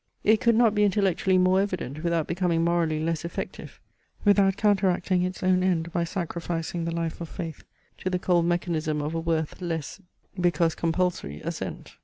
It could not be intellectually more evident without becoming morally less effective; without counteracting its own end by sacrificing the life of faith to the cold mechanism of a worth less because compulsory assent.